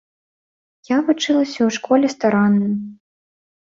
Я вучылася ў школе старанна.